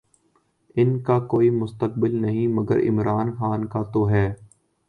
ان کا کوئی مستقبل نہیں، مگر عمران خان کا تو ہے۔